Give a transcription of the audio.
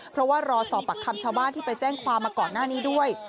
เพราะว่ารอสอบปากคำชาวบ้านที่ไปแจ้งความมาก่อนหน้านี้ด้วย